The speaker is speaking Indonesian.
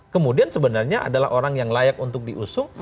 kemudian sebenarnya adalah orang yang layak untuk diusung